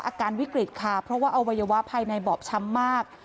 อาการวิกฤตค่ะเพราะว่าอวัยวะภายในบอบช้ำมาก